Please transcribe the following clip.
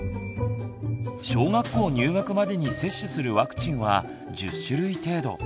小学校入学までに接種するワクチンは１０種類程度。